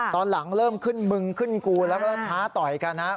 ตอนหลังเริ่มขึ้นมึงขึ้นกูแล้วก็ท้าต่อยกันนะครับ